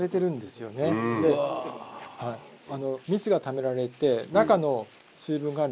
蜜がためられて。